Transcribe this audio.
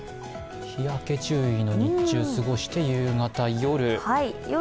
日焼け注意の日中過ごして、夜。